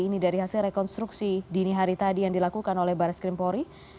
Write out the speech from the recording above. ini dari hasil rekonstruksi dini hari tadi yang dilakukan oleh baris krimpori